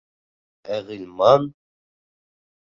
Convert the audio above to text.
Ә Ғилман: